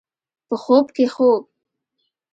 په خوب کې خوب